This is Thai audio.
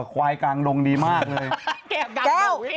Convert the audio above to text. ควายกลางดงดีมากเลยแก้ว